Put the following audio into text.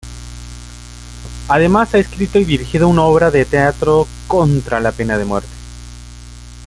Además, ha escrito y dirigido una obra de teatro contra la pena de muerte.